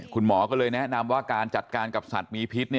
คุณหมอก็เลยแนะนำว่าการจัดการกับสัตว์มีพิษ